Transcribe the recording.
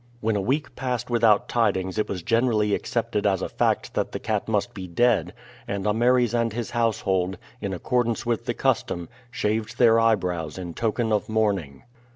When a week passed without tidings it was generally accepted as a fact that the cat must be dead, and Ameres and his household, in accordance with the custom, shaved their eyebrows in token of mourning.